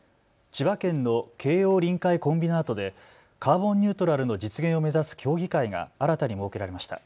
千葉県の京葉臨海コンビナートでカーボンニュートラルの実現を目指す協議会が新たに設けられました。